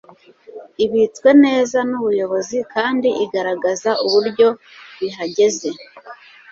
ibitswe neza n ubuyobozi kandi igaragaza uburyo bihagaze